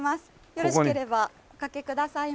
よろしければおかけくださいませ。